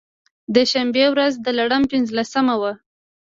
د شبې و رځ د لړم پنځلسمه وه.